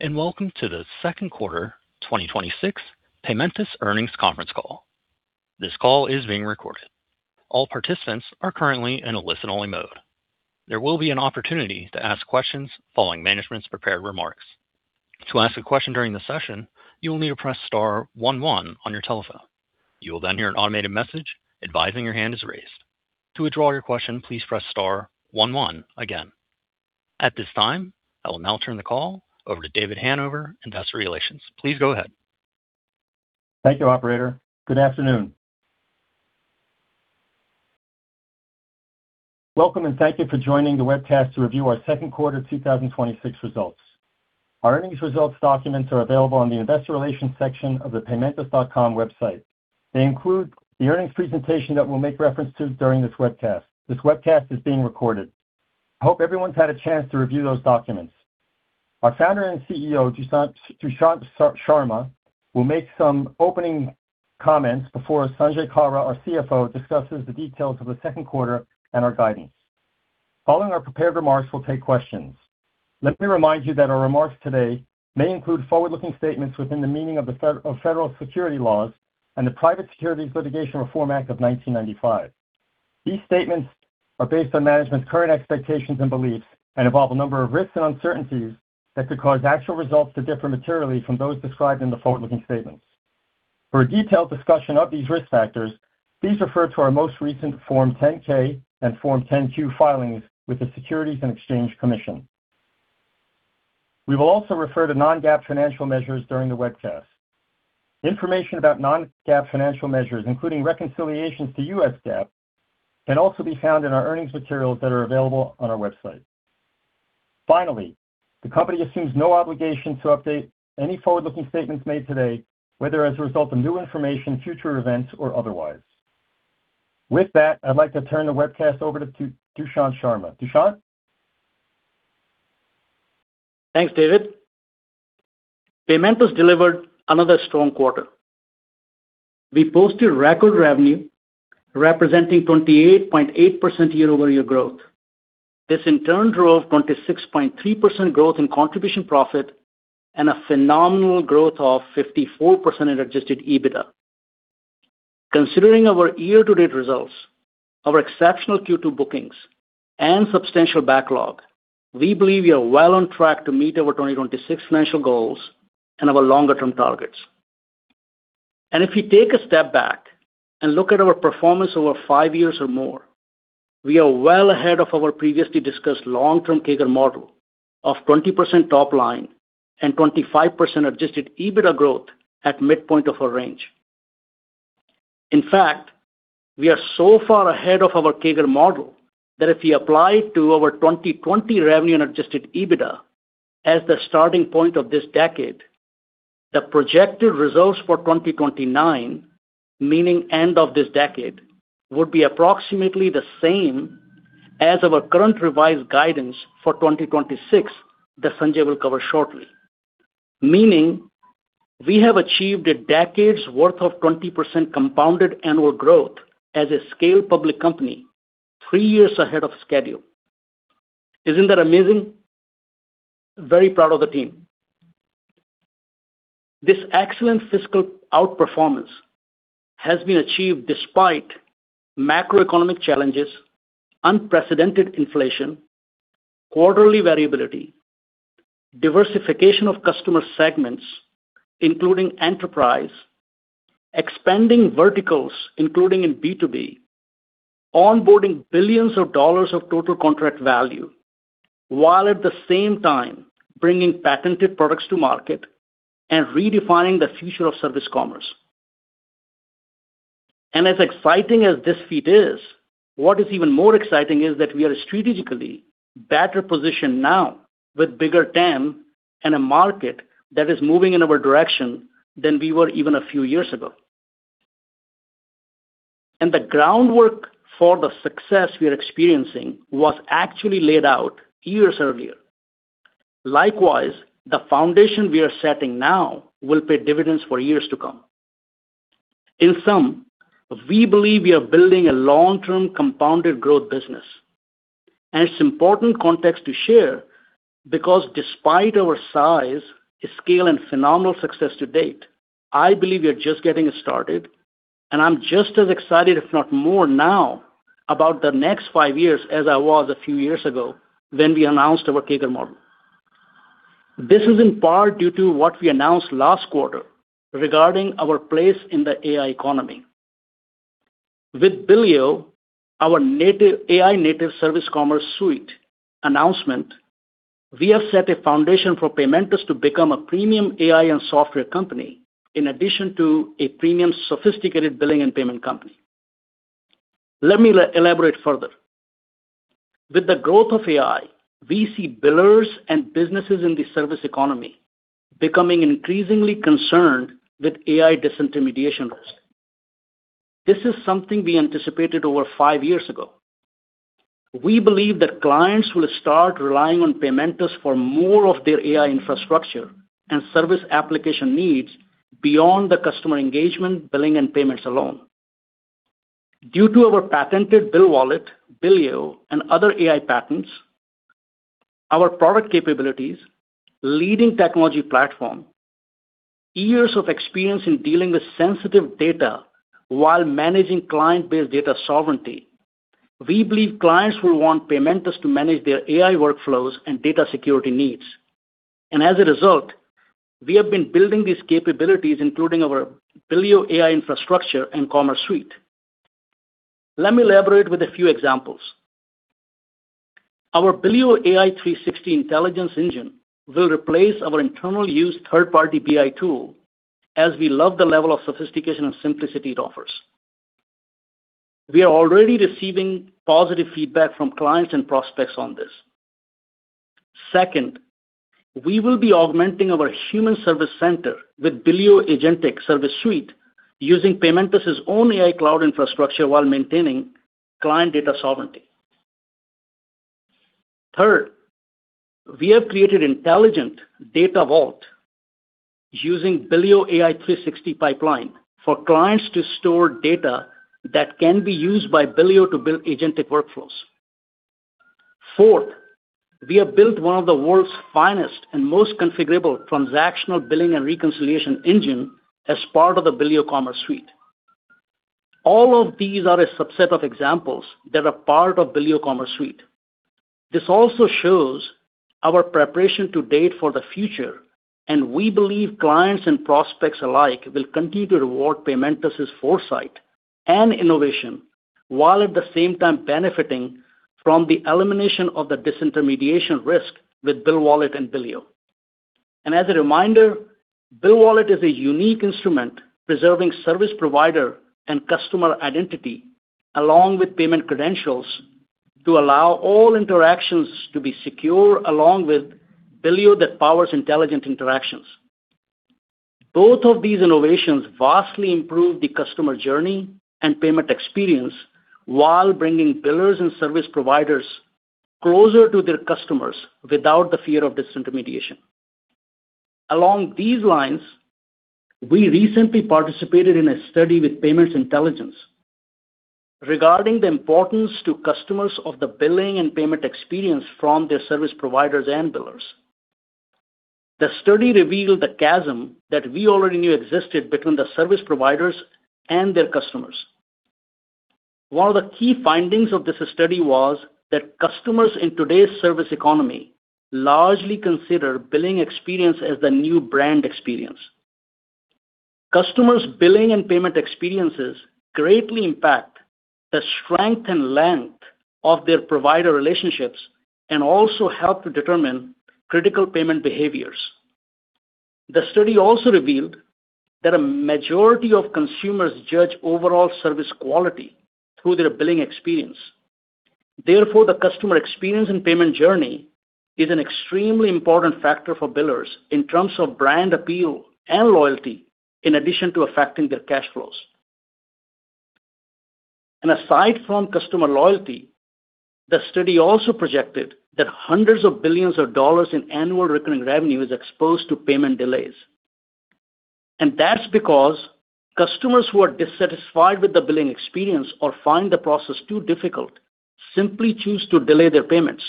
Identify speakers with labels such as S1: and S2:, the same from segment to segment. S1: Good day. Welcome to the second quarter 2026 Paymentus earnings conference call. This call is being recorded. All participants are currently in a listen-only mode. There will be an opportunity to ask questions following management's prepared remarks. To ask a question during the session, you will need to press star one one on your telephone. You will then hear an automated message advising your hand is raised. To withdraw your question, please press star one one again. At this time, I will now turn the call over to David Hanover, Investor Relations. Please go ahead.
S2: Thank you, operator. Good afternoon. Welcome and thank you for joining the webcast to review our second quarter 2026 results. Our earnings results documents are available on the investor relations section of the paymentus.com website. They include the earnings presentation that we'll make reference to during this webcast. This webcast is being recorded. I hope everyone's had a chance to review those documents. Our Founder and CEO, Dushyant Sharma, will make some opening comments before Sanjay Kalra, our CFO, discusses the details of the second quarter and our guidance. Following our prepared remarks, we'll take questions. Let me remind you that our remarks today may include forward-looking statements within the meaning of federal securities laws and the Private Securities Litigation Reform Act of 1995. These statements are based on management's current expectations and beliefs and involve a number of risks and uncertainties that could cause actual results to differ materially from those described in the forward-looking statements. For a detailed discussion of these risk factors, please refer to our most recent Form 10-K and Form 10-Q filings with the Securities and Exchange Commission. We will also refer to non-GAAP financial measures during the webcast. Information about non-GAAP financial measures, including reconciliations to U.S. GAAP, can also be found in our earnings materials that are available on our website. Finally, the company assumes no obligation to update any forward-looking statements made today, whether as a result of new information, future events, or otherwise. With that, I'd like to turn the webcast over to Dushyant Sharma. Dushyant?
S3: Thanks, David. Paymentus delivered another strong quarter. We posted record revenue representing 28.8% year-over-year growth. This in turn drove 26.3% growth in contribution profit and a phenomenal growth of 54% adjusted EBITDA. Considering our year-to-date results, our exceptional Q2 bookings, and substantial backlog, we believe we are well on track to meet our 2026 financial goals and our longer-term targets. If you take a step back and look at our performance over five years or more, we are well ahead of our previously discussed long-term CAGR model of 20% top line and 25% adjusted EBITDA growth at midpoint of our range. In fact, we are so far ahead of our CAGR model that if we apply to our 2020 revenue and adjusted EBITDA as the starting point of this decade, the projected results for 2029, meaning end of this decade, would be approximately the same as our current revised guidance for 2026 that Sanjay will cover shortly. Meaning we have achieved a decade's worth of 20% compounded annual growth as a scaled public company three years ahead of schedule. Isn't that amazing? Very proud of the team. This excellent fiscal outperformance has been achieved despite macroeconomic challenges, unprecedented inflation, quarterly variability, diversification of customer segments, including enterprise, expanding verticals, including in B2B, onboarding billions of dollars of total contract value, while at the same time bringing patented products to market and redefining the future of service commerce. As exciting as this feat is, what is even more exciting is that we are strategically better positioned now with bigger TAM and a market that is moving in our direction than we were even a few years ago. The groundwork for the success we are experiencing was actually laid out years earlier. Likewise, the foundation we are setting now will pay dividends for years to come. In sum, we believe we are building a long-term compounded growth business, and it's important context to share because despite our size, scale, and phenomenal success to date, I believe we are just getting started, and I'm just as excited, if not more now, about the next five years as I was a few years ago when we announced our CAGR model. This is in part due to what we announced last quarter regarding our place in the AI economy. With Billeo, our AI native service commerce suite announcement, we have set a foundation for Paymentus to become a premium AI and software company, in addition to a premium sophisticated billing and payment company. Let me elaborate further. With the growth of AI, we see billers and businesses in the service economy becoming increasingly concerned with AI disintermediation risk. This is something we anticipated over five years ago. We believe that clients will start relying on Paymentus for more of their AI infrastructure and service application needs beyond the customer engagement, billing, and payments alone. Due to our patented BillWallet, Billeo, and other AI patents, our product capabilities, leading technology platform, years of experience in dealing with sensitive data while managing client-based data sovereignty, we believe clients will want Paymentus to manage their AI workflows and data security needs. As a result, we have been building these capabilities, including our Billeo AI infrastructure and commerce suite. Let me elaborate with a few examples. Our Billeo AI360 intelligence engine will replace our internal use third-party BI tool as we love the level of sophistication and simplicity it offers. We are already receiving positive feedback from clients and prospects on this. Second, we will be augmenting our human service center with Billeo agentic service suite using Paymentus' own AI cloud infrastructure while maintaining client data sovereignty. Third, we have created intelligent data vault using Billeo AI360 pipeline for clients to store data that can be used by Billeo to build agentic workflows. Fourth, we have built one of the world's finest and most configurable transactional billing and reconciliation engine as part of the Billeo commerce suite. All of these are a subset of examples that are part of Billeo commerce suite. This also shows our preparation to date for the future. We believe clients and prospects alike will continue to reward Paymentus' foresight and innovation while at the same time benefiting from the elimination of the disintermediation risk with BillWallet and Billeo. As a reminder, BillWallet is a unique instrument preserving service provider and customer identity along with payment credentials to allow all interactions to be secure along with Billeo that powers intelligent interactions. Both of these innovations vastly improve the customer journey and payment experience while bringing billers and service providers closer to their customers without the fear of disintermediation. Along these lines, we recently participated in a study with PYMNTS Intelligence regarding the importance to customers of the billing and payment experience from their service providers and billers. The study revealed the chasm that we already knew existed between the service providers and their customers. One of the key findings of this study was that customers in today's service economy largely consider billing experience as the new brand experience. Customers' billing and payment experiences greatly impact the strength and length of their provider relationships and also help to determine critical payment behaviors. The study also revealed that a majority of consumers judge overall service quality through their billing experience. Therefore, the customer experience and payment journey is an extremely important factor for billers in terms of brand appeal and loyalty, in addition to affecting their cash flows. Aside from customer loyalty, the study also projected that hundreds of billions of dollars in annual recurring revenue is exposed to payment delays. That's because customers who are dissatisfied with the billing experience or find the process too difficult simply choose to delay their payments.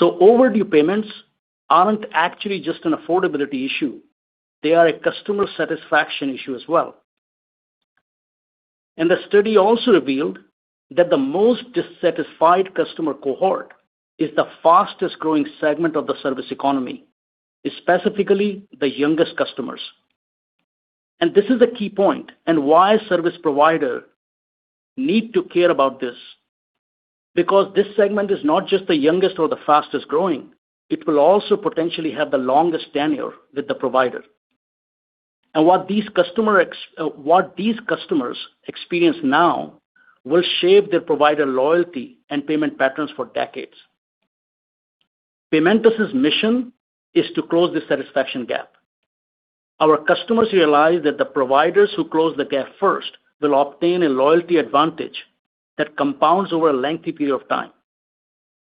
S3: Overdue payments aren't actually just an affordability issue. They are a customer satisfaction issue as well. The study also revealed that the most dissatisfied customer cohort is the fastest-growing segment of the service economy, specifically the youngest customers. This is a key point and why service provider need to care about this, because this segment is not just the youngest or the fastest-growing, it will also potentially have the longest tenure with the provider. What these customers experience now will shape their provider loyalty and payment patterns for decades. Paymentus' mission is to close the satisfaction gap. Our customers realize that the providers who close the gap first will obtain a loyalty advantage that compounds over a lengthy period of time.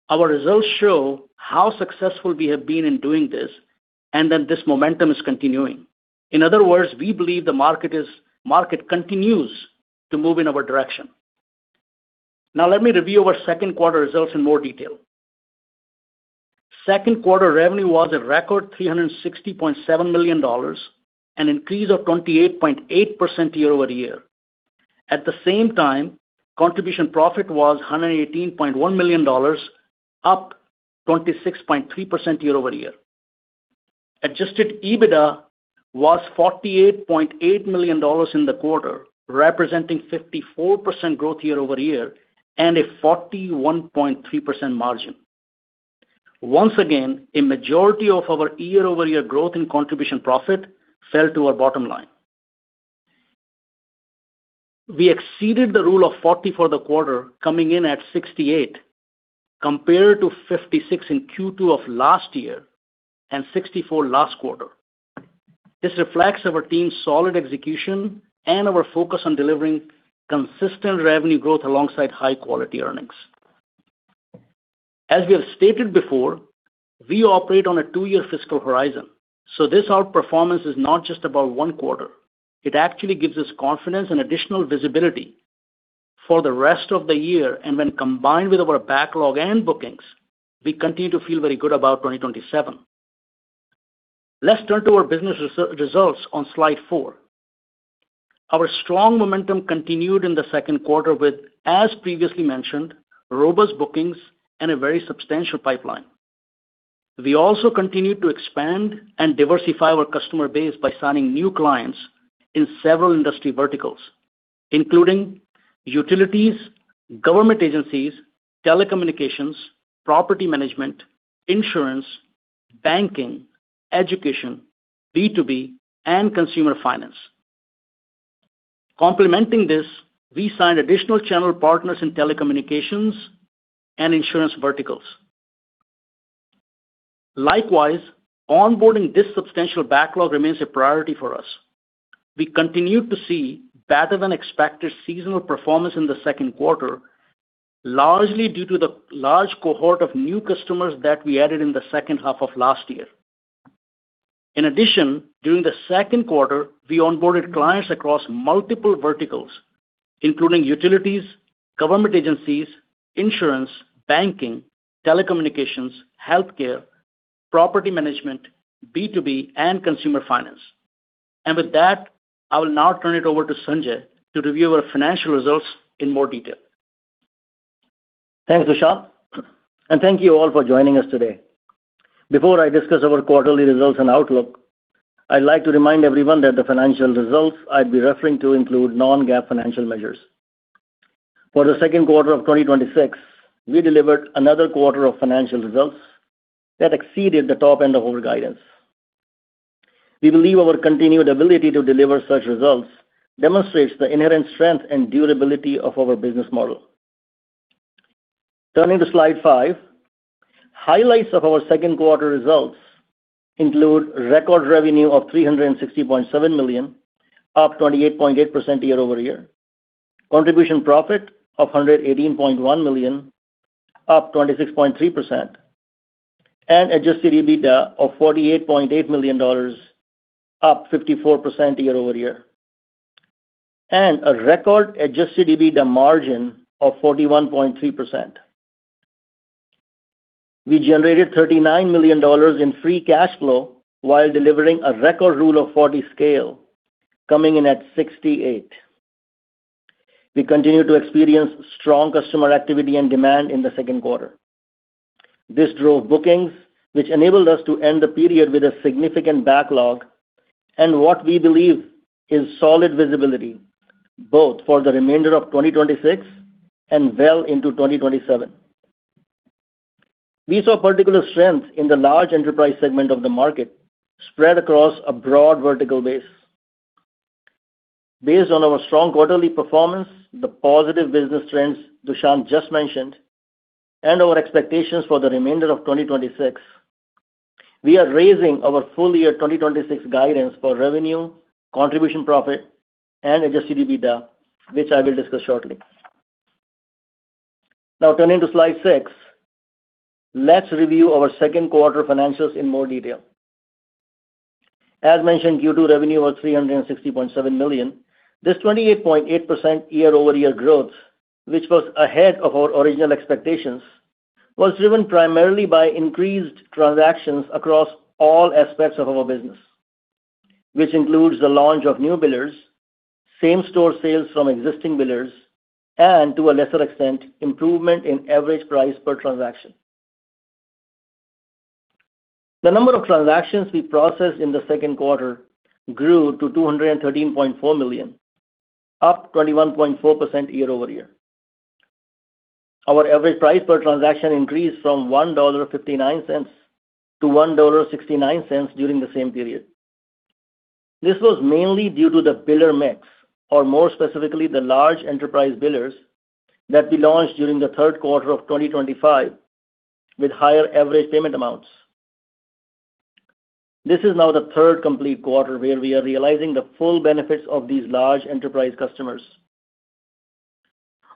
S3: Our results show how successful we have been in doing this and that this momentum is continuing. In other words, we believe the market continues to move in our direction. Let me review our second quarter results in more detail. Second quarter revenue was a record $360.7 million, an increase of 28.8% year-over-year. At the same time, contribution profit was $118.1 million, up 26.3% year-over-year. Adjusted EBITDA was $48.8 million in the quarter, representing 54% growth year-over-year and a 41.3% margin. Once again, a majority of our year-over-year growth in contribution profit fell to our bottom line. We exceeded the Rule of 40 for the quarter, coming in at 68 compared to 56 in Q2 of last year and 64 last quarter. This reflects our team's solid execution and our focus on delivering consistent revenue growth alongside high-quality earnings. As we have stated before, we operate on a two-year fiscal horizon, so this outperformance is not just about one quarter. It actually gives us confidence and additional visibility for the rest of the year, and when combined with our backlog and bookings, we continue to feel very good about 2027. Let's turn to our business results on slide four. Our strong momentum continued in the second quarter with, as previously mentioned, robust bookings and a very substantial pipeline. We also continued to expand and diversify our customer base by signing new clients in several industry verticals, including utilities, government agencies, telecommunications, property management, insurance, banking, education, B2B, and consumer finance. Complementing this, we signed additional channel partners in telecommunications and insurance verticals. Likewise, onboarding this substantial backlog remains a priority for us. We continued to see better-than-expected seasonal performance in the second quarter, largely due to the large cohort of new customers that we added in the second half of last year. In addition, during the second quarter, we onboarded clients across multiple verticals, including utilities, government agencies, insurance, banking, telecommunications, healthcare, property management, B2B, and consumer finance. With that, I will now turn it over to Sanjay to review our financial results in more detail.
S4: Thanks, Dushyant, thank you all for joining us today. Before I discuss our quarterly results and outlook, I'd like to remind everyone that the financial results I'll be referring to include non-GAAP financial measures. For the second quarter of 2026, we delivered another quarter of financial results that exceeded the top end of our guidance. We believe our continued ability to deliver such results demonstrates the inherent strength and durability of our business model. Turning to slide five, highlights of our second quarter results include record revenue of $360.7 million, up 28.8% year-over-year, contribution profit of $118.1 million, up 26.3%, and adjusted EBITDA of $48.8 million, up 54% year-over-year, and a record adjusted EBITDA margin of 41.3%. We generated $39 million in free cash flow while delivering a record Rule of 40 scale, coming in at 68. We continue to experience strong customer activity and demand in the second quarter. This drove bookings, which enabled us to end the period with a significant backlog and what we believe is solid visibility both for the remainder of 2026 and well into 2027. We saw particular strength in the large enterprise segment of the market spread across a broad vertical base. Based on our strong quarterly performance, the positive business trends Dushyant just mentioned, our expectations for the remainder of 2026, we are raising our full year 2026 guidance for revenue, contribution profit, and adjusted EBITDA, which I will discuss shortly. Turning to slide six, let's review our second quarter financials in more detail. As mentioned, Q2 revenue was $360.7 million. This 28.8% year-over-year growth, which was ahead of our original expectations, was driven primarily by increased transactions across all aspects of our business, which includes the launch of new billers, same-store sales from existing billers, and, to a lesser extent, improvement in average price per transaction. The number of transactions we processed in the second quarter grew to 213.4 million, up 21.4% year-over-year. Our average price per transaction increased from $1.59 to $1.69 during the same period. This was mainly due to the biller mix, or more specifically, the large enterprise billers that we launched during the third quarter of 2025 with higher average payment amounts. This is now the third complete quarter where we are realizing the full benefits of these large enterprise customers.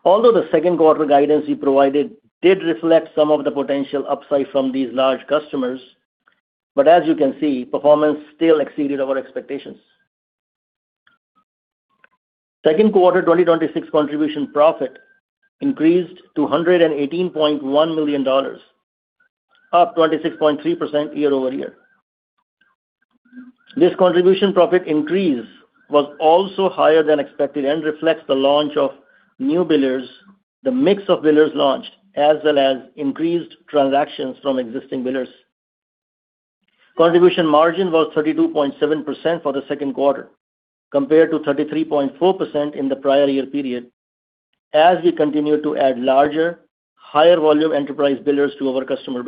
S4: Although the second quarter guidance we provided did reflect some of the potential upside from these large customers, performance still exceeded our expectations. Second quarter 2026 contribution profit increased to $118.1 million, up 26.3% year-over-year. This contribution profit increase was also higher than expected and reflects the launch of new billers, the mix of billers launched, as well as increased transactions from existing billers. Contribution margin was 32.7% for the second quarter, compared to 33.4% in the prior year period, as we continue to add larger, higher-volume enterprise billers to our customer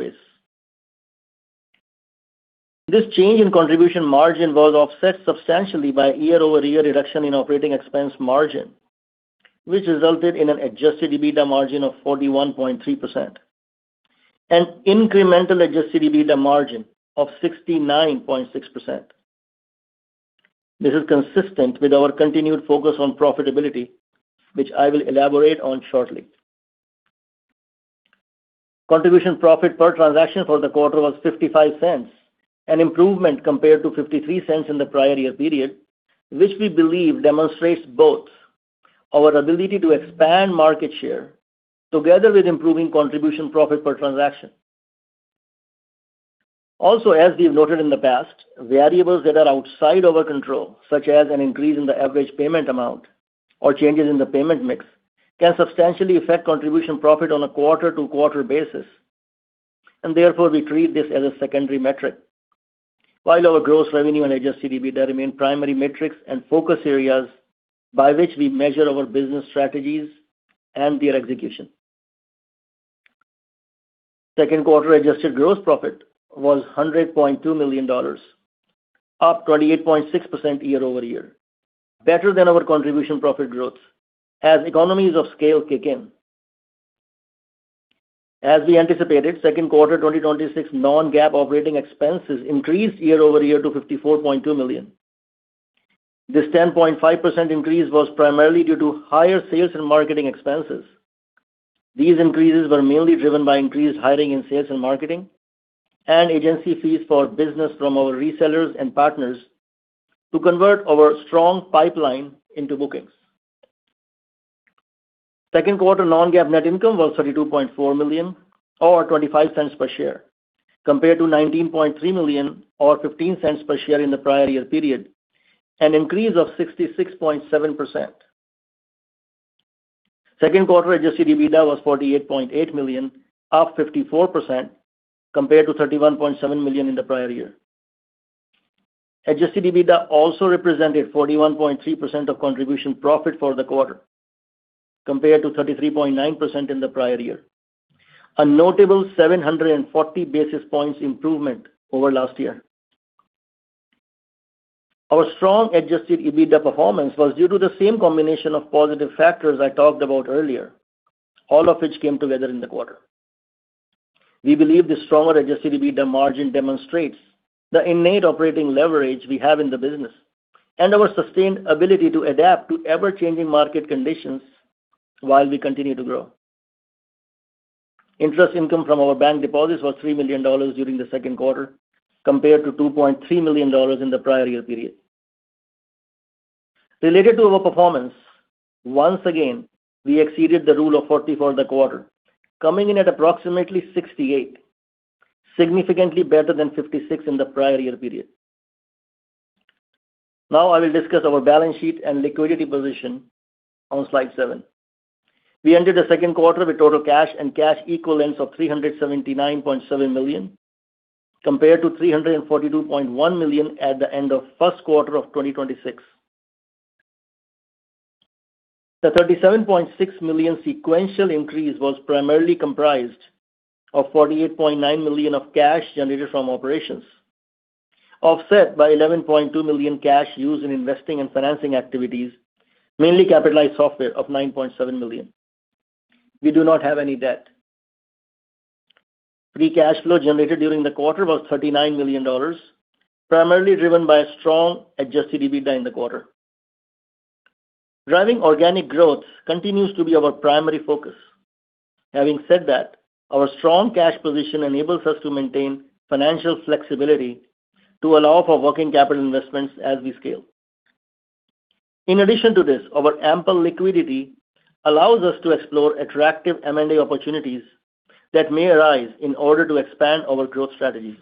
S4: base. This change in contribution margin was offset substantially by year-over-year reduction in operating expense margin, which resulted in an adjusted EBITDA margin of 41.3% and incremental adjusted EBITDA margin of 69.6%. This is consistent with our continued focus on profitability, which I will elaborate on shortly. Contribution profit per transaction for the quarter was $0.55, an improvement compared to $0.53 in the prior year period, which we believe demonstrates both our ability to expand market share together with improving contribution profit per transaction. Also, as we've noted in the past, variables that are outside our control, such as an increase in the average payment amount or changes in the payment mix, can substantially affect contribution profit on a quarter-to-quarter basis. Therefore, we treat this as a secondary metric. While our gross revenue and adjusted EBITDA remain primary metrics and focus areas by which we measure our business strategies and their execution. Second quarter adjusted gross profit was $100.2 million, up 28.6% year-over-year, better than our contribution profit growth as economies of scale kick in. As we anticipated, second quarter 2026 non-GAAP operating expenses increased year-over-year to $54.2 million. This 10.5% increase was primarily due to higher sales and marketing expenses. These increases were mainly driven by increased hiring in sales and marketing and agency fees for business from our resellers and partners to convert our strong pipeline into bookings. Second quarter non-GAAP net income was $32.4 million or $0.25 per share, compared to $19.3 million or $0.15 per share in the prior year period, an increase of 66.7%. Second quarter adjusted EBITDA was $48.8 million, up 54%, compared to $31.7 million in the prior year. Adjusted EBITDA also represented 41.3% of contribution profit for the quarter compared to 33.9% in the prior year. A notable 740 basis points improvement over last year. Our strong adjusted EBITDA performance was due to the same combination of positive factors I talked about earlier, all of which came together in the quarter. We believe the stronger adjusted EBITDA margin demonstrates the innate operating leverage we have in the business and our sustained ability to adapt to ever-changing market conditions while we continue to grow. Interest income from our bank deposits was $3 million during the second quarter compared to $2.3 million in the prior year period. Related to our performance, once again, we exceeded the Rule of 40 for the quarter, coming in at approximately 68, significantly better than 56% in the prior year period. Now I will discuss our balance sheet and liquidity position on slide seven. We ended the second quarter with total cash and cash equivalents of $379.7 million, compared to $342.1 million at the end of first quarter of 2026. The $37.6 million sequential increase was primarily comprised of $48.9 million of cash generated from operations, offset by $11.2 million cash used in investing and financing activities, mainly capitalized software of $9.7 million. We do not have any debt. Free cash flow generated during the quarter was $39 million, primarily driven by a strong adjusted EBITDA in the quarter. Driving organic growth continues to be our primary focus. Having said that, our strong cash position enables us to maintain financial flexibility to allow for working capital investments as we scale. In addition to this, our ample liquidity allows us to explore attractive M&A opportunities that may arise in order to expand our growth strategies.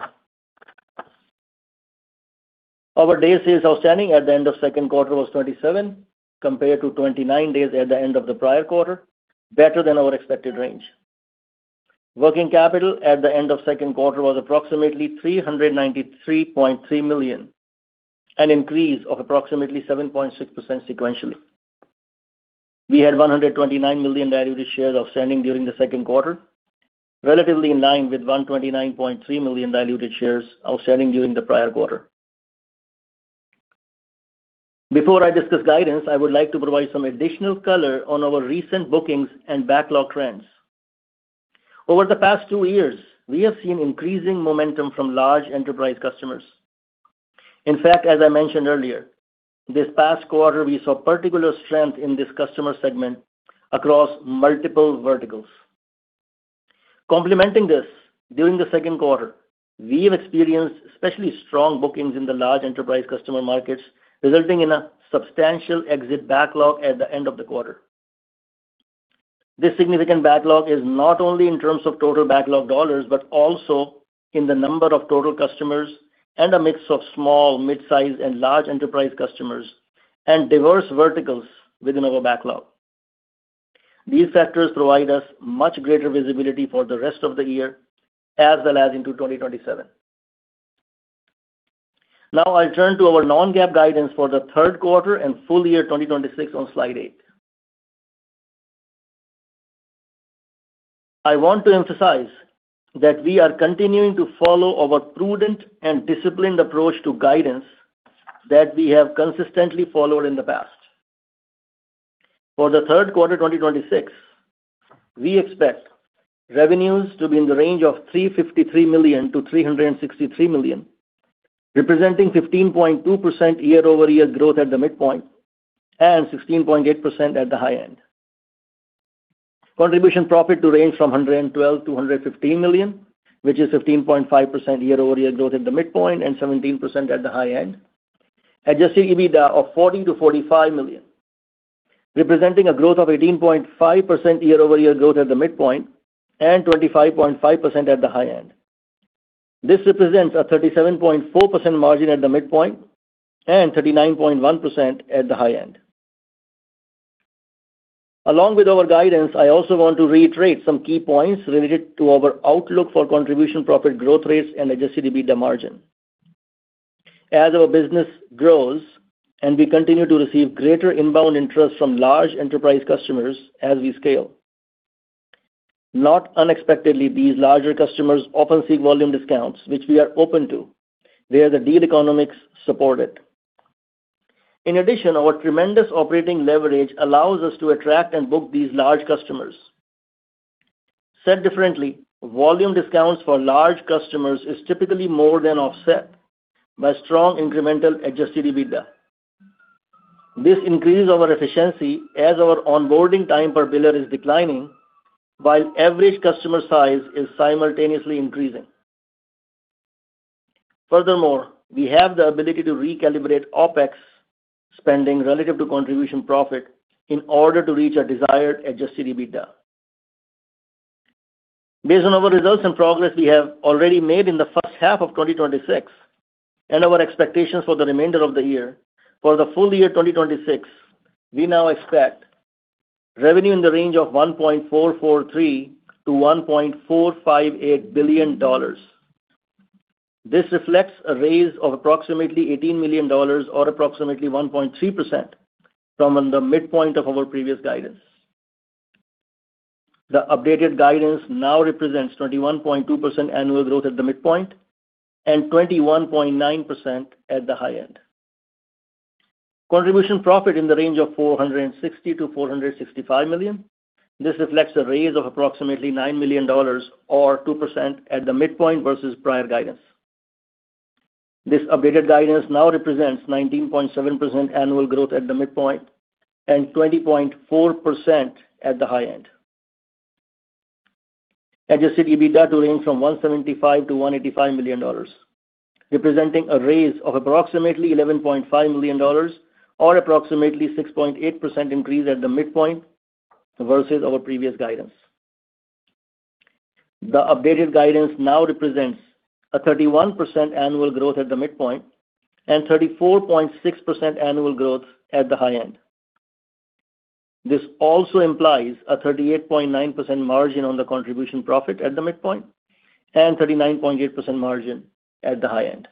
S4: Our day sales outstanding at the end of second quarter was 27, compared to 29 days at the end of the prior quarter, better than our expected range. Working capital at the end of second quarter was approximately $393.3 million, an increase of approximately 7.6% sequentially. We had 129 million diluted shares outstanding during the second quarter, relatively in line with 129.3 million diluted shares outstanding during the prior quarter. Before I discuss guidance, I would like to provide some additional color on our recent bookings and backlog trends. Over the past two years, we have seen increasing momentum from large enterprise customers. In fact, as I mentioned earlier, this past quarter, we saw particular strength in this customer segment across multiple verticals. Complementing this, during the second quarter, we have experienced especially strong bookings in the large enterprise customer markets, resulting in a substantial exit backlog at the end of the quarter. This significant backlog is not only in terms of total backlog dollars, but also in the number of total customers and a mix of small, mid-size, and large enterprise customers and diverse verticals within our backlog. These factors provide us much greater visibility for the rest of the year as well as into 2027. Now, I turn to our non-GAAP guidance for the third quarter and full year 2026 on slide eight. I want to emphasize that we are continuing to follow our prudent and disciplined approach to guidance that we have consistently followed in the past. For the third quarter 2026, we expect revenues to be in the range of $353 million-$363 million, representing 15.2% year-over-year growth at the midpoint and 16.8% at the high end. Contribution profit to range from $112 million-$115 million, which is 15.5% year-over-year growth at the midpoint and 17% at the high end. Adjusted EBITDA of $40 million-$45 million, representing a growth of 18.5% year-over-year growth at the midpoint and 25.5% at the high end. This represents a 37.4% margin at the midpoint and 39.1% at the high end. Along with our guidance, I also want to reiterate some key points related to our outlook for contribution profit growth rates and adjusted EBITDA margin. As our business grows and we continue to receive greater inbound interest from large enterprise customers as we scale, not unexpectedly, these larger customers often seek volume discounts, which we are open to, where the deal economics support it. In addition, our tremendous operating leverage allows us to attract and book these large customers. Said differently, volume discounts for large customers is typically more than offset by strong incremental adjusted EBITDA. This increases our efficiency as our onboarding time per biller is declining while average customer size is simultaneously increasing. Furthermore, we have the ability to recalibrate OpEx spending relative to contribution profit in order to reach our desired adjusted EBITDA. Based on our results and progress we have already made in the first half of 2026, and our expectations for the remainder of the year, for the full year 2026, we now expect revenue in the range of $1.443 billion-$1.458 billion. This reflects a raise of approximately $18 million or approximately 1.3% from the midpoint of our previous guidance. The updated guidance now represents 21.2% annual growth at the midpoint and 21.9% at the high end. Contribution profit in the range of $460 million-$465 million. This reflects a raise of approximately $9 million or 2% at the midpoint versus prior guidance. This updated guidance now represents 19.7% annual growth at the midpoint and 20.4% at the high end. Adjusted EBITDA to range from $175 million-$185 million, representing a raise of approximately $11.5 million or approximately 6.8% increase at the midpoint versus our previous guidance. The updated guidance now represents a 31% annual growth at the midpoint and 34.6% annual growth at the high end. This also implies a 38.9% margin on the contribution profit at the midpoint and 39.8% margin at the high end.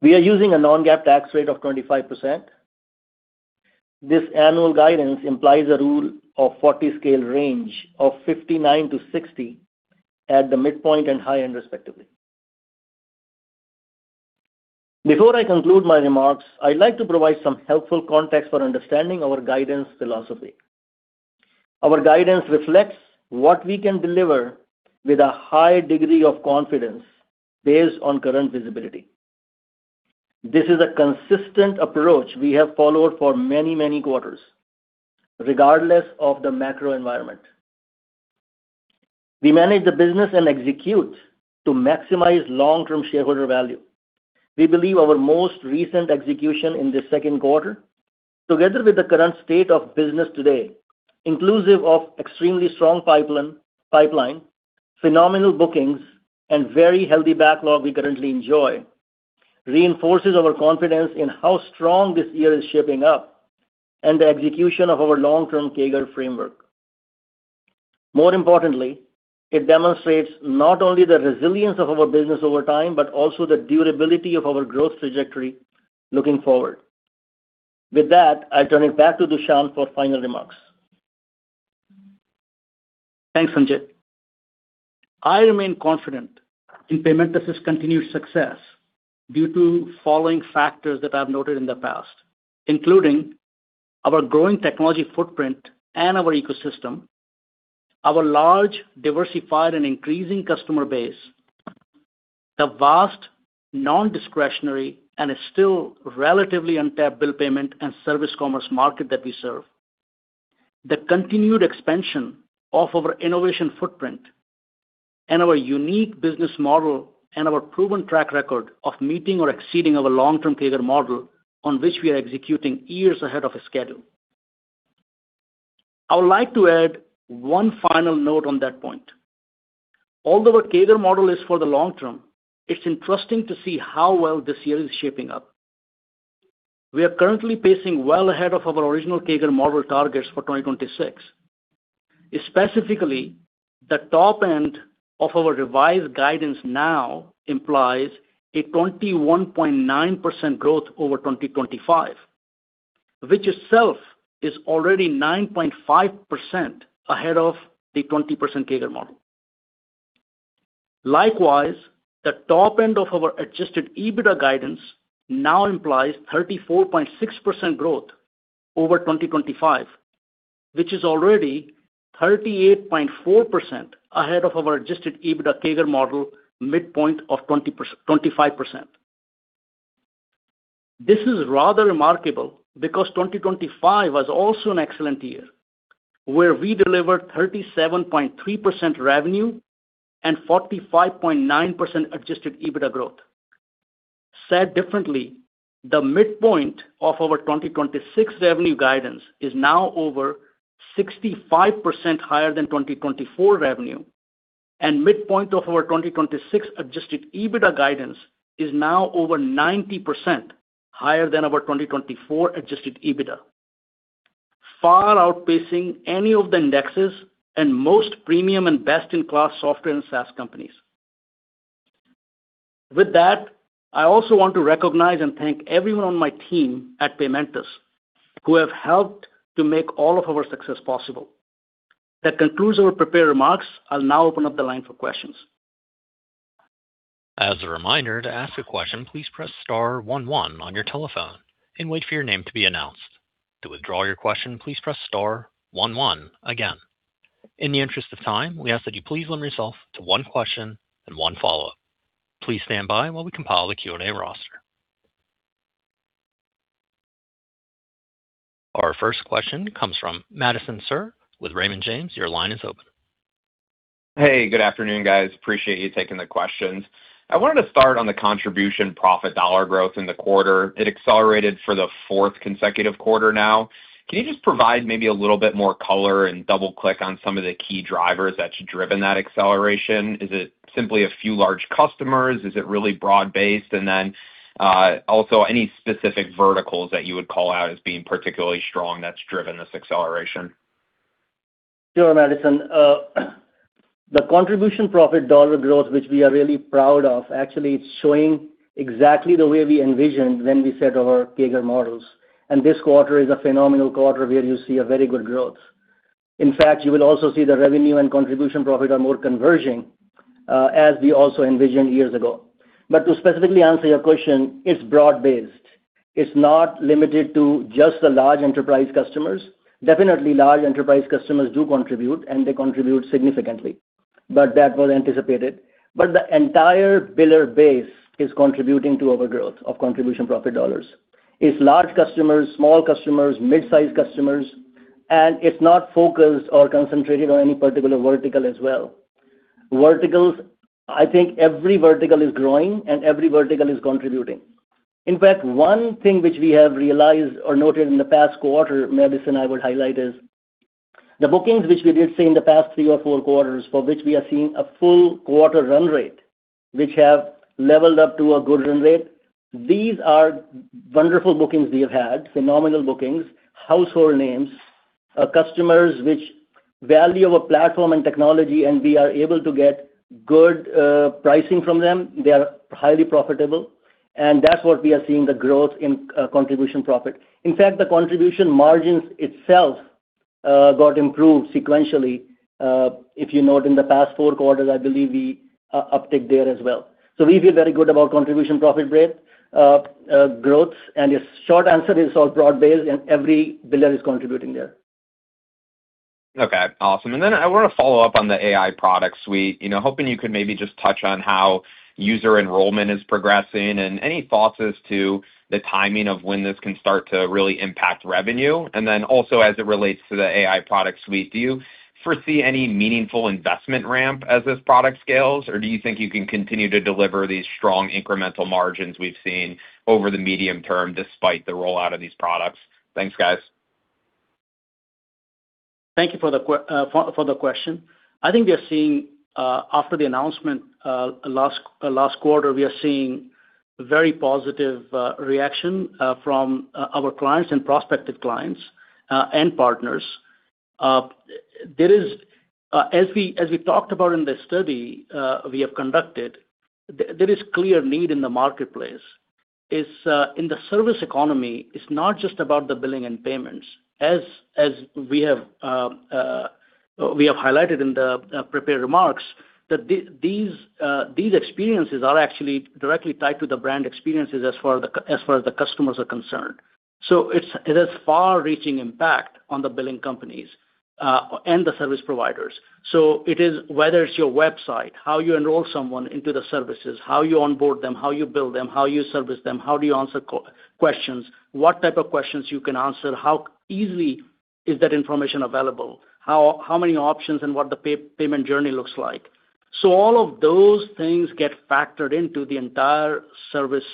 S4: We are using a non-GAAP tax rate of 25%. This annual guidance implies a Rule of 40 scale range of 59-60 at the midpoint and high end respectively. Before I conclude my remarks, I'd like to provide some helpful context for understanding our guidance philosophy. Our guidance reflects what we can deliver with a high degree of confidence based on current visibility. This is a consistent approach we have followed for many, many quarters, regardless of the macro environment. We manage the business and execute to maximize long-term shareholder value. We believe our most recent execution in the second quarter, together with the current state of business today, inclusive of extremely strong pipeline, phenomenal bookings, and very healthy backlog we currently enjoy, reinforces our confidence in how strong this year is shaping up and the execution of our long-term CAGR framework. More importantly, it demonstrates not only the resilience of our business over time, but also the durability of our growth trajectory looking forward. With that, I turn it back to Dushyant for final remarks.
S3: Thanks, Sanjay. I remain confident in Paymentus's continued success due to following factors that I've noted in the past, including our growing technology footprint and our ecosystem, our large, diversified, and increasing customer base, the vast non-discretionary and still relatively untapped bill payment and service commerce market that we serve, the continued expansion of our innovation footprint, and our unique business model and our proven track record of meeting or exceeding our long-term CAGR model on which we are executing years ahead of schedule. I would like to add one final note on that point. Although our CAGR model is for the long term, it's interesting to see how well this year is shaping up. We are currently pacing well ahead of our original CAGR model targets for 2026. Specifically, the top end of our revised guidance now implies a 21.9% growth over 2025, which itself is already 9.5% ahead of the 20% CAGR model. Likewise, the top end of our adjusted EBITDA guidance now implies 34.6% growth over 2025, which is already 38.4% ahead of our adjusted EBITDA CAGR model midpoint of 25%. This is rather remarkable because 2025 was also an excellent year, where we delivered 37.3% revenue and 45.9% adjusted EBITDA growth. Said differently, the midpoint of our 2026 revenue guidance is now over 65% higher than 2024 revenue, and midpoint of our 2026 adjusted EBITDA guidance is now over 90% higher than our 2024 adjusted EBITDA, far outpacing any of the indexes and most premium and best-in-class software and SaaS companies. With that, I also want to recognize and thank everyone on my team at Paymentus who have helped to make all of our success possible. That concludes our prepared remarks. I'll now open up the line for questions.
S1: As a reminder, to ask a question, please press star one one on your telephone and wait for your name to be announced. To withdraw your question, please press star one one again. In the interest of time, we ask that you please limit yourself to one question and one follow-up. Please stand by while we compile the Q&A roster. Our first question comes from Madison Suhr with Raymond James. Your line is open.
S5: Hey, good afternoon, guys. Appreciate you taking the questions. I wanted to start on the contribution profit dollar growth in the quarter. It accelerated for the fourth consecutive quarter now. Can you just provide maybe a little bit more color and double-click on some of the key drivers that's driven that acceleration? Is it simply a few large customers? Is it really broad-based? Also any specific verticals that you would call out as being particularly strong that's driven this acceleration?
S4: Sure, Madison. The contribution profit dollar growth, which we are really proud of, actually is showing exactly the way we envisioned when we set our CAGR models. This quarter is a phenomenal quarter where you see a very good growth. In fact, you will also see the revenue and contribution profit are more converging, as we also envisioned years ago. To specifically answer your question, it's broad-based. It's not limited to just the large enterprise customers. Definitely large enterprise customers do contribute, and they contribute significantly. That was anticipated. The entire biller base is contributing to our growth of contribution profit dollars. It's large customers, small customers, mid-size customers, and it's not focused or concentrated on any particular vertical as well. Verticals, I think every vertical is growing and every vertical is contributing. In fact, one thing which we have realized or noted in the past quarter, Madison, I would highlight is the bookings which we did see in the past three or four quarters for which we are seeing a full quarter run rate, which have leveled up to a good run rate. These are wonderful bookings we have had, phenomenal bookings, household names, customers which value our platform and technology, and we are able to get good pricing from them. They are highly profitable, and that's what we are seeing the growth in contribution profit. In fact, the contribution margins itself got improved sequentially. If you note in the past four quarters, I believe we uptick there as well. We feel very good about contribution profit rate growth, and the short answer is it's all broad-based and every biller is contributing there.
S5: Okay, awesome. I want to follow up on the AI product suite. Hoping you could maybe just touch on how user enrollment is progressing and any thoughts as to the timing of when this can start to really impact revenue. Also as it relates to the AI product suite, do you foresee any meaningful investment ramp as this product scales, or do you think you can continue to deliver these strong incremental margins we've seen over the medium term despite the rollout of these products? Thanks, guys.
S3: Thank you for the question. After the announcement last quarter, we are seeing very positive reaction from our clients and prospective clients and partners. As we talked about in the study we have conducted, there is clear need in the marketplace. In the service economy, it's not just about the billing and payments. As we have highlighted in the prepared remarks, these experiences are actually directly tied to the brand experiences as far as the customers are concerned. It has far-reaching impact on the billing companies and the service providers. Whether it's your website, how you enroll someone into the services, how you onboard them, how you bill them, how you service them, how do you answer questions, what type of questions you can answer, how easily is that information available. How many options and what the payment journey looks like. All of those things get factored into the entire service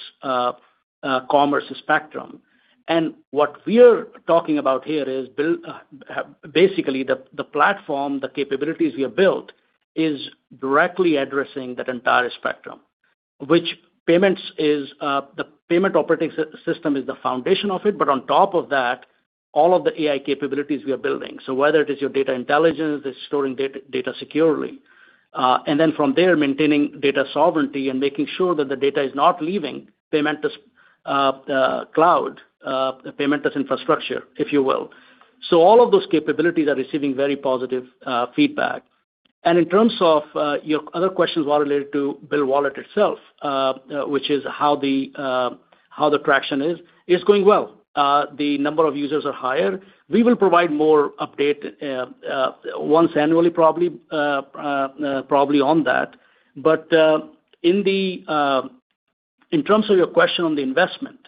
S3: commerce spectrum. What we're talking about here is basically the platform, the capabilities we have built is directly addressing that entire spectrum, which the payment operating system is the foundation of it, but on top of that, all of the AI capabilities we are building. Whether it is your data intelligence, it's storing data securely. From there, maintaining data sovereignty and making sure that the data is not leaving the Paymentus infrastructure, if you will. All of those capabilities are receiving very positive feedback. In terms of your other questions were related to BillWallet itself, which is how the traction is. It's going well. The number of users are higher. We will provide more update once annually probably on that. In terms of your question on the investment,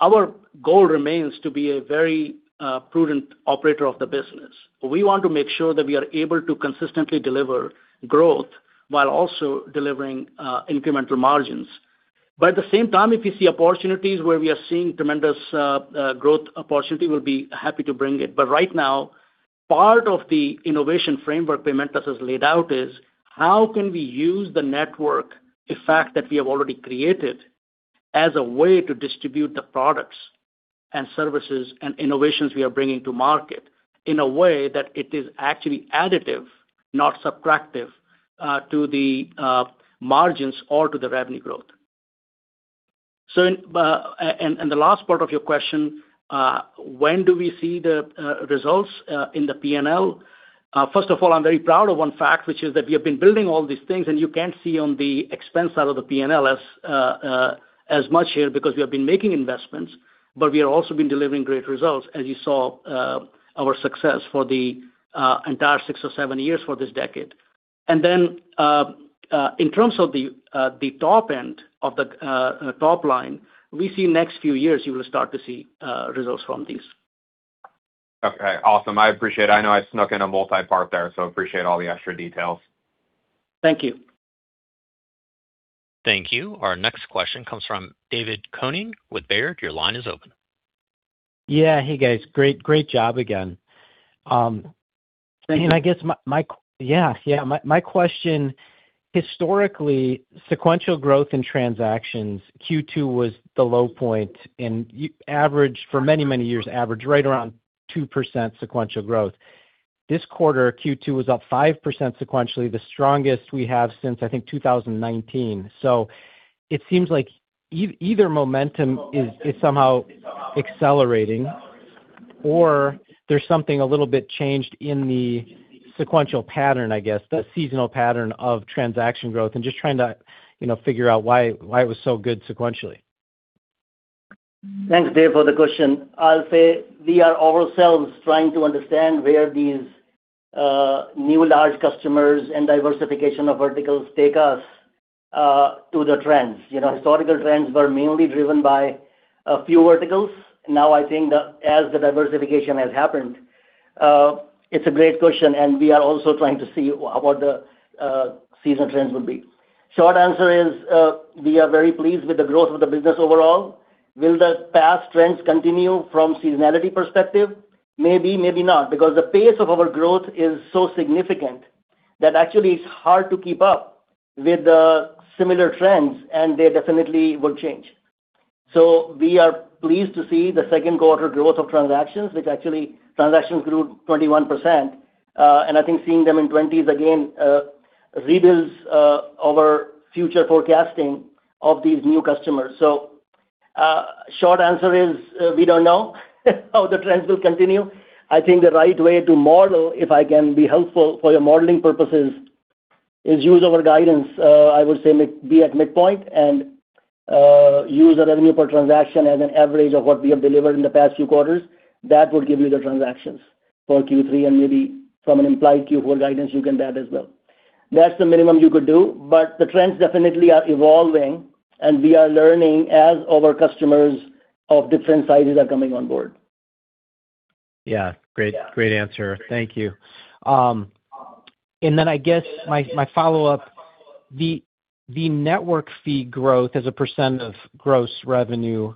S3: our goal remains to be a very prudent operator of the business. We want to make sure that we are able to consistently deliver growth while also delivering incremental margins. At the same time, if we see opportunities where we are seeing tremendous growth opportunity, we'll be happy to bring it. Right now, part of the innovation framework Paymentus has laid out is how can we use the network effect that we have already created as a way to distribute the products and services and innovations we are bringing to market in a way that it is actually additive, not subtractive, to the margins or to the revenue growth. The last part of your question, when do we see the results in the P&L? First of all, I'm very proud of one fact, which is that we have been building all these things, and you can't see on the expense side of the P&L as much here because we have been making investments, but we have also been delivering great results, as you saw our success for the entire six or seven years for this decade. In terms of the top end of the top line, we see next few years you will start to see results from these.
S5: Okay, awesome. I appreciate. I know I snuck in a multi-part there, so appreciate all the extra details.
S3: Thank you.
S1: Thank you. Our next question comes from David Koning with Baird. Your line is open.
S6: Yeah. Hey, guys. Great job again.
S3: Thank you.
S6: My question, historically, sequential growth in transactions, Q2 was the low point and for many, many years, averaged right around 2% sequential growth. This quarter, Q2 was up 5% sequentially, the strongest we have since, I think, 2019. It seems like either momentum is somehow accelerating or there's something a little bit changed in the sequential pattern, I guess, the seasonal pattern of transaction growth. Just trying to figure out why it was so good sequentially.
S4: Thanks, David, for the question. I'll say we are ourselves trying to understand where these new large customers and diversification of verticals take us to the trends. Historical trends were mainly driven by a few verticals. I think that as the diversification has happened, it's a great question, and we are also trying to see what the season trends will be. Short answer is, we are very pleased with the growth of the business overall. Will the past trends continue from seasonality perspective? Maybe, maybe not, because the pace of our growth is so significant that actually it's hard to keep up with the similar trends, and they definitely will change. We are pleased to see the second quarter growth of transactions, which actually transactions grew 21%, and I think seeing them in twenties again reveals our future forecasting of these new customers. Short answer is, we don't know how the trends will continue. I think the right way to model, if I can be helpful for your modeling purposes, is use our guidance. I would say be at midpoint and use the revenue per transaction as an average of what we have delivered in the past few quarters. That will give you the transactions for Q3 and maybe from an implied Q4 guidance, you can add as well. That's the minimum you could do, the trends definitely are evolving, and we are learning as our customers of different sizes are coming on board.
S6: Yeah. Great answer. Thank you. I guess my follow-up, the network fee growth as a percent of gross revenue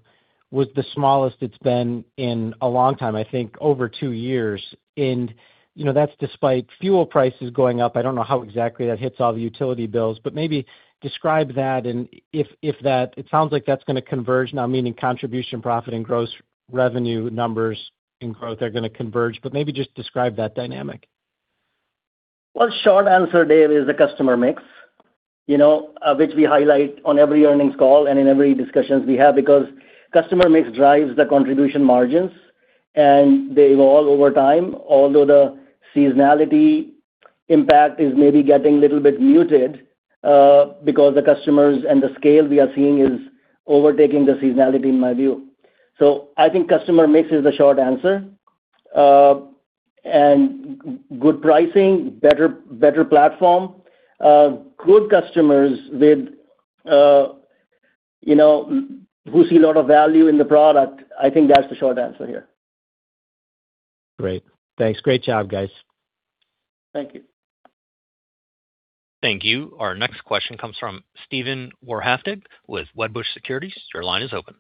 S6: was the smallest it's been in a long time, I think over two years. That's despite fuel prices going up. I don't know how exactly that hits all the utility bills. Maybe describe that. It sounds like that's going to converge now, meaning contribution profit and gross revenue numbers and growth are going to converge. Maybe just describe that dynamic.
S4: Well, short answer, David, is the customer mix, which we highlight on every earnings call and in every discussions we have because customer mix drives the contribution margins, and they evolve over time. Although the seasonality impact is maybe getting a little bit muted because the customers and the scale we are seeing is overtaking the seasonality, in my view. I think customer mix is the short answer. Good pricing, better platform, good customers who see a lot of value in the product. I think that's the short answer here.
S6: Great. Thanks. Great job, guys.
S4: Thank you.
S1: Thank you. Our next question comes from Steven Wahrhaftig with Wedbush Securities. Your line is open.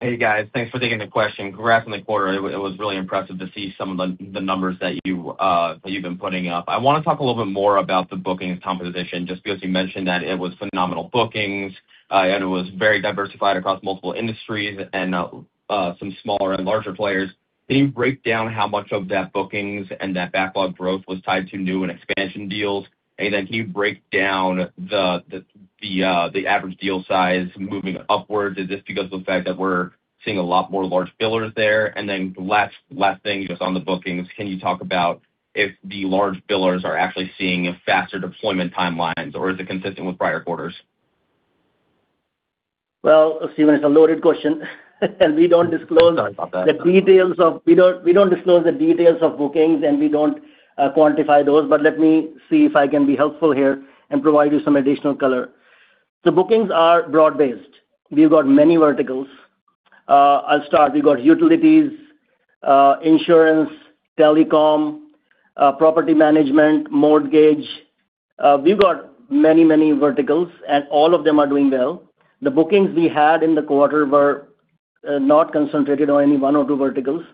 S7: Hey, guys. Thanks for taking the question. Congrats on the quarter. It was really impressive to see some of the numbers that you've been putting up. I want to talk a little bit more about the bookings composition, just because you mentioned that it was phenomenal bookings, and it was very diversified across multiple industries and some smaller and larger players. Can you break down how much of that bookings and that backlog growth was tied to new and expansion deals? Can you break down the average deal size moving upwards? Is this because of the fact that we're seeing a lot more large billers there? Last thing, just on the bookings, can you talk about if the large billers are actually seeing faster deployment timelines, or is it consistent with prior quarters?
S4: Well, Steven, it's a loaded question. We don't disclose—
S7: Sorry about that.
S4: the details of bookings, we don't quantify those. Let me see if I can be helpful here and provide you some additional color. Bookings are broad-based. We've got many verticals. I'll start. We've got utilities, insurance, telecom, property management, mortgage. We've got many verticals, and all of them are doing well. The bookings we had in the quarter were not concentrated on any one or two verticals.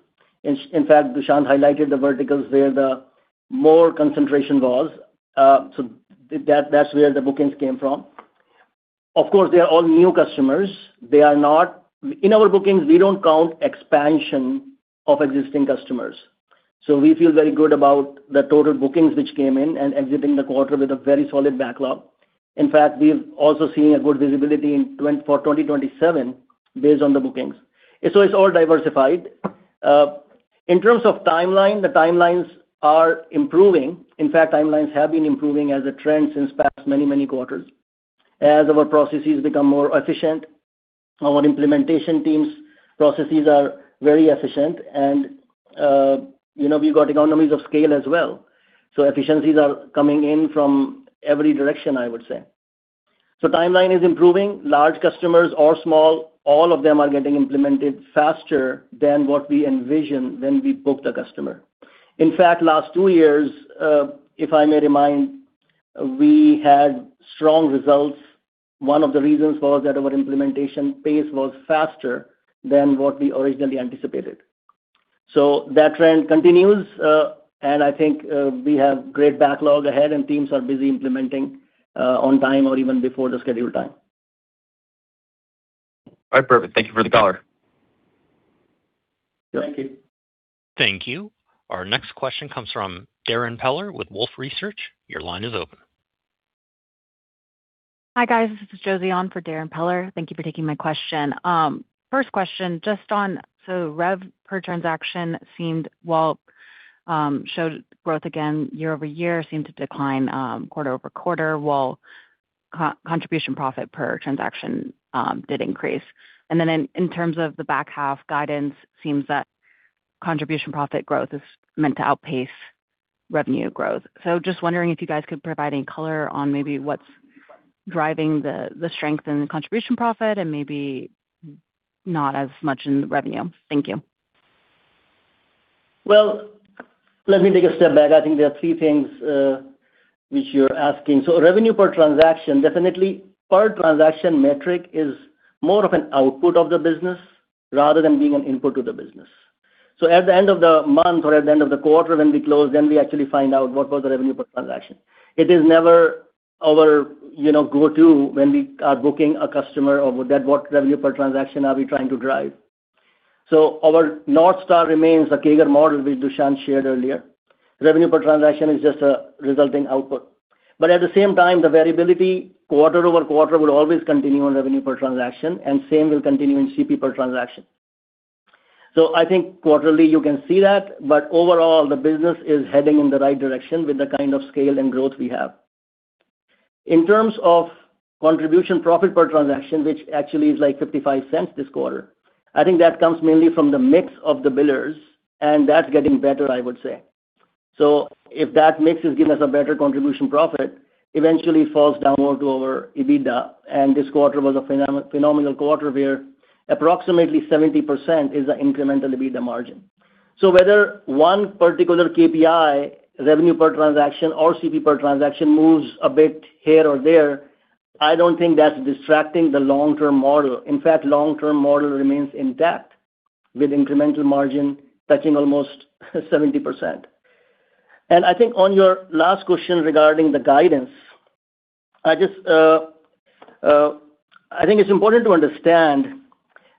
S4: In fact, Dushyant highlighted the verticals where the more concentration was. That's where the bookings came from. Of course, they are all new customers. In our bookings, we don't count expansion of existing customers. We feel very good about the total bookings which came in and exiting the quarter with a very solid backlog. In fact, we've also seen a good visibility for 2027 based on the bookings. It's all diversified. In terms of timeline, the timelines are improving. In fact, timelines have been improving as a trend since past many quarters. As our processes become more efficient, our implementation teams' processes are very efficient, and we've got economies of scale as well. Efficiencies are coming in from every direction, I would say. Timeline is improving. Large customers or small, all of them are getting implemented faster than what we envision when we book the customer. In fact, last two years, if I may remind, we had strong results. One of the reasons was that our implementation pace was faster than what we originally anticipated. That trend continues, and I think we have great backlog ahead, and teams are busy implementing on time or even before the scheduled time.
S7: All right. Perfect. Thank you for the color.
S4: Thank you.
S1: Thank you. Our next question comes from Darrin Peller with Wolfe Research. Your line is open.
S8: Hi, guys. This is Josie on for Darrin Peller. Thank you for taking my question. First question, rev per transaction showed growth again year-over-year, seemed to decline quarter-over-quarter, while contribution profit per transaction did increase. In terms of the back half guidance, seems that contribution profit growth is meant to outpace revenue growth. Just wondering if you guys could provide any color on maybe what's driving the strength in the contribution profit and maybe not as much in the revenue. Thank you.
S4: Well, let me take a step back. I think there are three things which you're asking. Revenue per transaction, definitely per transaction metric is more of an output of the business rather than being an input to the business. At the end of the month or at the end of the quarter, when we close, then we actually find out what was the revenue per transaction. It is never our go-to when we are booking a customer or with that, what revenue per transaction are we trying to drive. Our North Star remains the CAGR model which Dushyant shared earlier. Revenue per transaction is just a resulting output. At the same time, the variability quarter-over-quarter will always continue on revenue per transaction, and same will continue in CP per transaction. I think quarterly you can see that, overall, the business is heading in the right direction with the kind of scale and growth we have. In terms of contribution profit per transaction, which actually is like $0.55 this quarter, I think that comes mainly from the mix of the billers, and that's getting better, I would say. If that mix has given us a better contribution profit, eventually it falls downward to our EBITDA, and this quarter was a phenomenal quarter where approximately 70% is the incremental EBITDA margin. Whether one particular KPI, revenue per transaction or CP per transaction, moves a bit here or there, I don't think that's distracting the long-term model. In fact, long-term model remains intact with incremental margin touching almost 70%. I think on your last question regarding the guidance, I think it's important to understand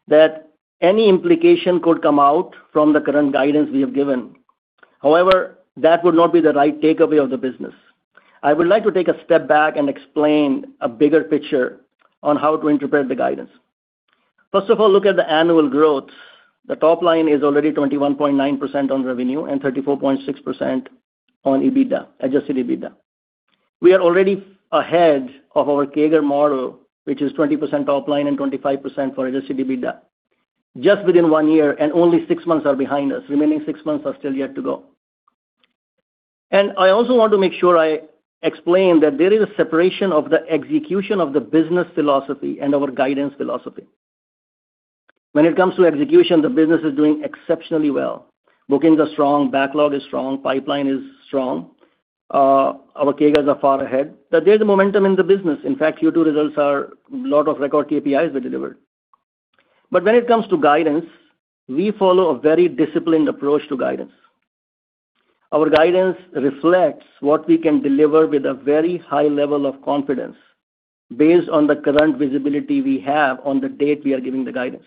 S4: that any implication could come out from the current guidance we have given. However, that would not be the right takeaway of the business. I would like to take a step back and explain a bigger picture on how to interpret the guidance. First of all, look at the annual growth. The top line is already 21.9% on revenue and 34.6% on adjusted EBITDA. We are already ahead of our CAGR model, which is 20% top line and 25% for adjusted EBITDA. Just within one year, and only six months are behind us. Remaining six months are still yet to go. I also want to make sure I explain that there is a separation of the execution of the business philosophy and our guidance philosophy. When it comes to execution, the business is doing exceptionally well. Bookings are strong, backlog is strong, pipeline is strong. Our CAGRs are far ahead. There's a momentum in the business. In fact, Q2 results are a lot of record KPIs were delivered. When it comes to guidance, we follow a very disciplined approach to guidance. Our guidance reflects what we can deliver with a very high level of confidence based on the current visibility we have on the date we are giving the guidance.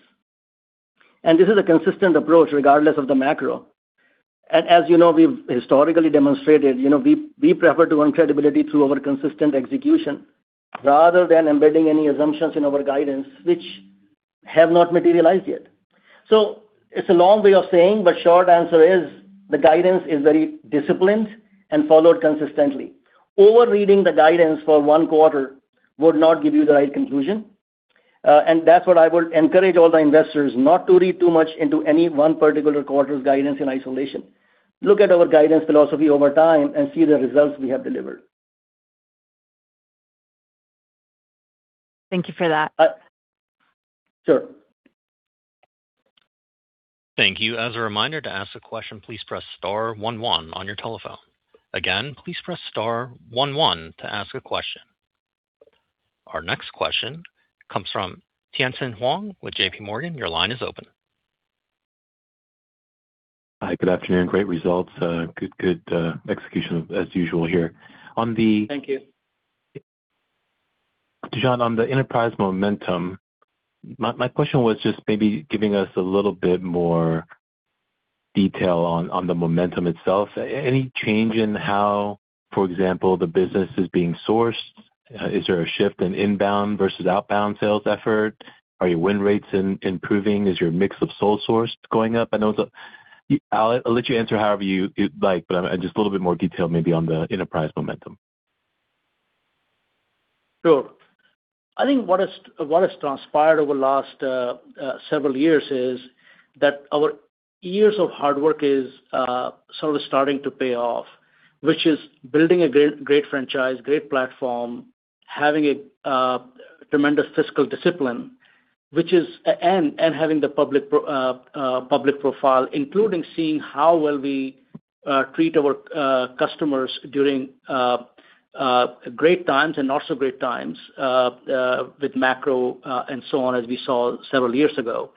S4: This is a consistent approach regardless of the macro. As you know, we've historically demonstrated, we prefer to earn credibility through our consistent execution rather than embedding any assumptions in our guidance which have not materialized yet. It's a long way of saying, but short answer is, the guidance is very disciplined and followed consistently. Overreading the guidance for one quarter would not give you the right conclusion. That's what I would encourage all the investors, not to read too much into any one particular quarter's guidance in isolation. Look at our guidance philosophy over time and see the results we have delivered.
S8: Thank you for that.
S4: Sure.
S1: Thank you. As a reminder, to ask a question, please press star one one on your telephone. Again, please press star one one to ask a question. Our next question comes from Tien-Tsin Huang with JPMorgan. Your line is open.
S9: Hi, good afternoon. Great results. Good execution as usual here.
S3: Thank you.
S9: Dushyant, on the enterprise momentum, my question was just maybe giving us a little bit more detail on the momentum itself. Any change in how, for example, the business is being sourced? Is there a shift in inbound versus outbound sales effort? Are your win rates improving? Is your mix of sole-sourced going up? I'll let you answer however you like, but just a little bit more detail maybe on the enterprise momentum.
S3: Sure. I think what has transpired over the last several years is that our years of hard work is sort of starting to pay off, which is building a great franchise, great platform, having a tremendous fiscal discipline, and having the public profile, including seeing how well we treat our customers during great times and not so great times with macro and so on, as we saw several years ago.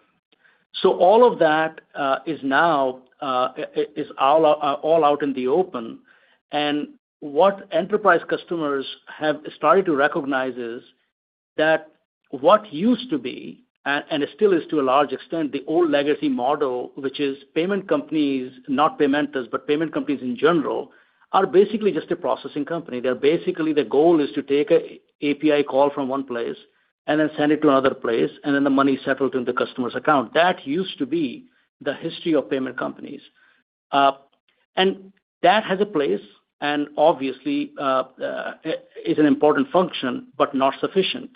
S3: All of that is now all out in the open. What enterprise customers have started to recognize is that what used to be, and it still is to a large extent, the old legacy model, which is payment companies, not Paymentus, but payment companies in general, are basically just a processing company. They're the goal is to take API call from one place and then send it to another place, and then the money is settled into the customer's account. That used to be the history of payment companies. That has a place, and obviously, is an important function, but not sufficient.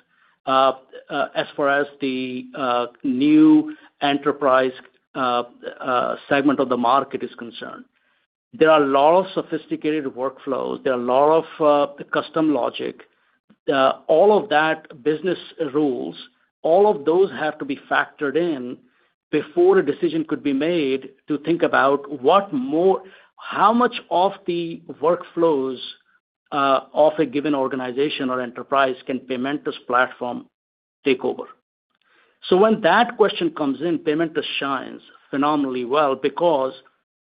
S3: As far as the new enterprise segment of the market is concerned. There are a lot of sophisticated workflows. There are a lot of custom logic. All of that business rules, all of those have to be factored in before a decision could be made to think about how much of the workflows of a given organization or enterprise can Paymentus platform take over. When that question comes in, Paymentus shines phenomenally well because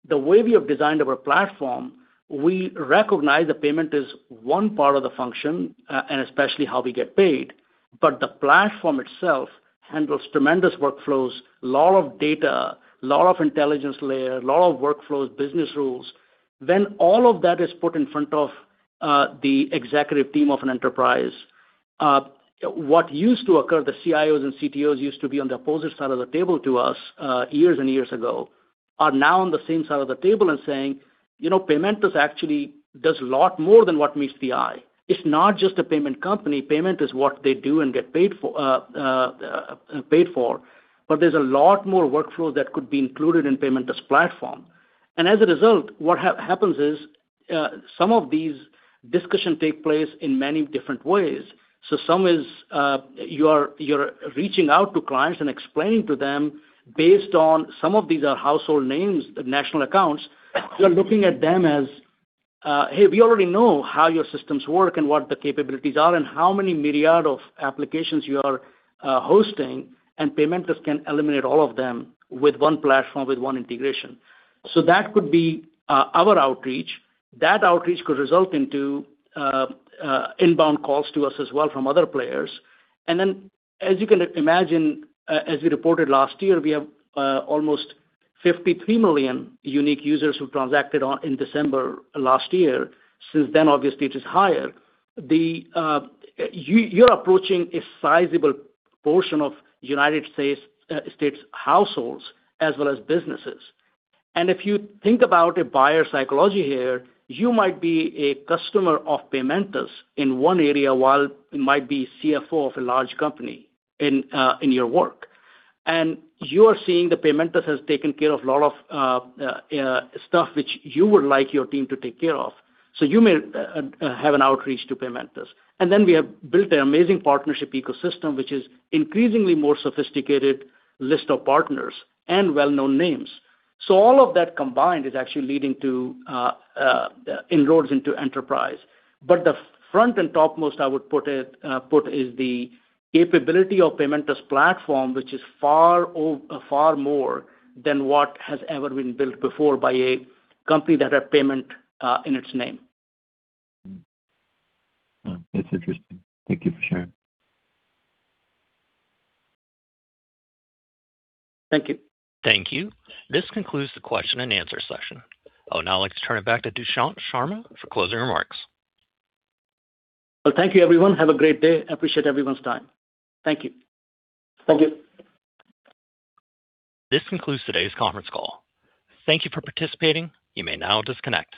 S3: the way we have designed our platform, we recognize the payment is one part of the function, and especially how we get paid, but the platform itself handles tremendous workflows, lot of data, lot of intelligence layer, lot of workflows, business rules. All of that is put in front of the executive team of an enterprise. What used to occur, the CIOs and CTOs used to be on the opposite side of the table to us, years and years ago, are now on the same side of the table and saying, "Paymentus actually does a lot more than what meets the eye." It's not just a payment company. Payment is what they do and get paid for. There's a lot more workflow that could be included in Paymentus platform. As a result, what happens is, some of these discussion take place in many different ways. Some is, you're reaching out to clients and explaining to them based on some of these are household names, national accounts. You're looking at them as, "Hey, we already know how your systems work and what the capabilities are and how many myriad of applications you are hosting, and Paymentus can eliminate all of them with one platform, with one integration." That could be our outreach. That outreach could result into inbound calls to us as well from other players. As you can imagine, as we reported last year, we have almost 53 million unique users who transacted in December last year. Since then, obviously, it is higher. You're approaching a sizable portion of United States households as well as businesses. If you think about a buyer psychology here, you might be a customer of Paymentus in one area, while you might be CFO of a large company in your work. You are seeing the Paymentus has taken care of lot of stuff which you would like your team to take care of. You may have an outreach to Paymentus. Then we have built an amazing partnership ecosystem, which is increasingly more sophisticated list of partners and well-known names. All of that combined is actually leading to inroads into enterprise. The front and topmost, I would put, is the capability of Paymentus platform, which is far more than what has ever been built before by a company that has payment in its name.
S9: That's interesting. Thank you for sharing.
S3: Thank you.
S1: Thank you. This concludes the question and answer session. I would now like to turn it back to Dushyant Sharma for closing remarks.
S3: Well, thank you everyone. Have a great day. Appreciate everyone's time. Thank you.
S4: Thank you.
S1: This concludes today's conference call. Thank you for participating. You may now disconnect.